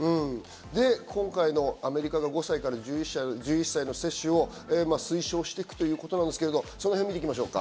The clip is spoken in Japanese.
で、今回のアメリカの５歳から１１歳の接種を推奨していくということですけど、見ていきましょうか。